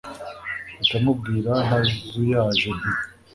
mpita mubwira ntazuyaje nti